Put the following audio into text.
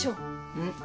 うん。